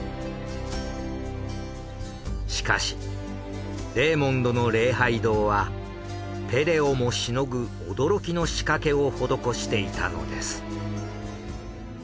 しかしレーモンドの「礼拝堂」はペレをもしのぐ驚きの仕掛けを施していたのです。